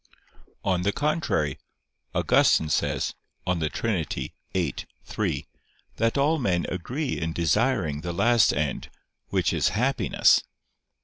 On the contrary, Augustine says (De Trin. xiii, 3) that all men agree in desiring the last end, which is happiness.